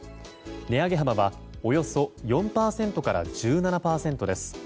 値上げ幅はおよそ４％から１７％です。